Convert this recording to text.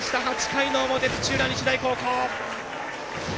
８回の表、土浦日大高校。